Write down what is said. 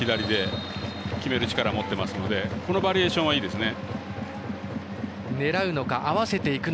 堂安も左で決める力を持っていますのでこのバリエーションはいいですね。